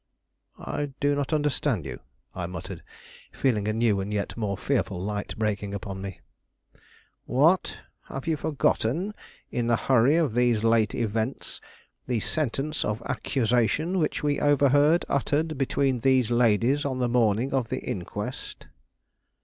"I do not understand you," I muttered, feeling a new and yet more fearful light breaking upon me. "What! have you forgotten, in the hurry of these late events, the sentence of accusation which we overheard uttered between these ladies on the morning of the inquest?"